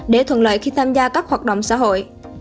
để thuận lợi khi tham gia các hoạt động xã hội